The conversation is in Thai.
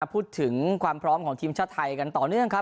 พูดถึงความพร้อมของทีมชาติไทยกันต่อเนื่องครับ